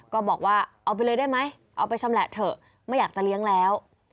ก็บอกว่าเอาไปเลยได้ไหมเอาไปชำแหละเถอะไม่อยากจะเลี้ยงแล้ว